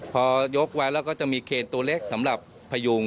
พอยกไว้แล้วก็จะมีเคนตัวเล็กสำหรับพยุง